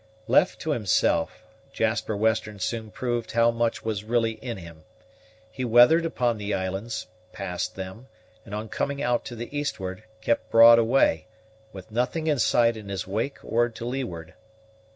Left to himself, Jasper Western soon proved how much was really in him. He weathered upon the islands, passed them, and on coming out to the eastward, kept broad away, with nothing in sight in his wake or to leeward.